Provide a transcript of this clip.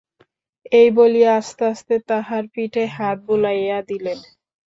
এই বলিয়া আস্তে আস্তে তাহার পিঠে হাত বুলাইয়া দিলেন।